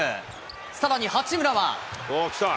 さらに八村は。